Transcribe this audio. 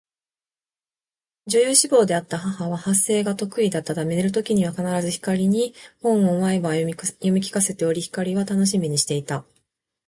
女優志望であった母は発声が得意だったため寝る時には必ず光に本を毎晩読み聞かせており、光は楽しみにしていた